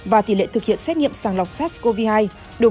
và tỷ lệ thực hiện xét nghiệm sàng lọc sars cov hai đối với các nhóm đối tượng